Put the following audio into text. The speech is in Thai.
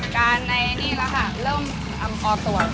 การในนี้แหละค่ะเริ่มออกตัว